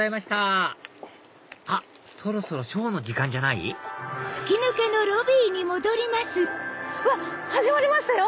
あっそろそろショーの時間じゃない？始まりましたよ！